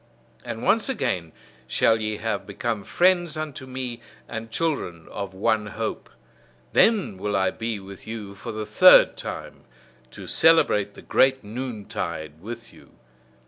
And once again shall ye have become friends unto me, and children of one hope: then will I be with you for the third time, to celebrate the great noontide with you.